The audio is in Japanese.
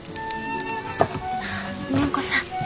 蓮子さん。